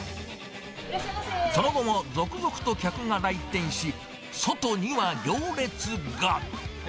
その後も続々と客が来店し、外には行列が。